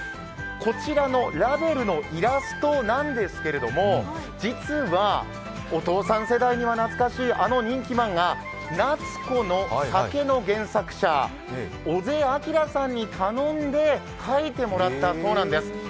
こちらのラベルのイラストなんですけれども、実は、お父さん世代には懐かしいあの人気漫画「夏子の酒」の原作者尾瀬あきらさんに頼んで描いてもらったそうなんです。